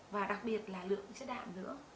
và đặc biệt là lượng chất đạm nữa